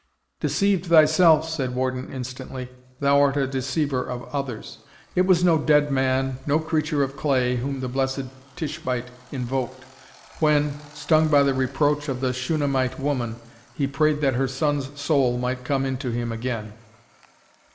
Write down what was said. "Deceived thyself," said Warden, instantly, "thou art a deceiver of others. It was no dead man, no creature of clay, whom the blessed Tishbite invoked, when, stung by the reproach of the Shunamite woman, he prayed that her son's soul might come into him again."